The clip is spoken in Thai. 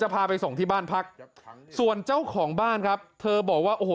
พาไปส่งที่บ้านพักส่วนเจ้าของบ้านครับเธอบอกว่าโอ้โห